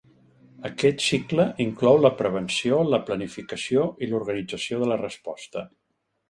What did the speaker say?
Aquest cicle inclou la prevenció, la planificació i l’organització de la resposta.